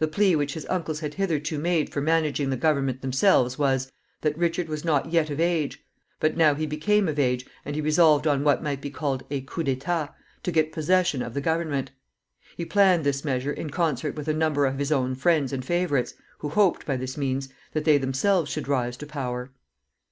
The plea which his uncles had hitherto made for managing the government themselves was, that Richard was not yet of age. But now he became of age, and he resolved on what might be called a coup d'état, to get possession of the government. He planned this measure in concert with a number of his own friends and favorites, who hoped, by this means, that they themselves should rise to power.